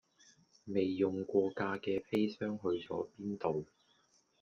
未用過架嘅砒霜去咗邊度